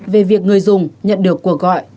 về việc người dùng nhận được cuộc gọi